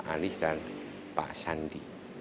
anis dan pak sandi